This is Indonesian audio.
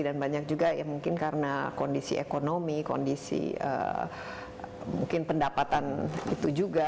banyak juga ya mungkin karena kondisi ekonomi kondisi mungkin pendapatan itu juga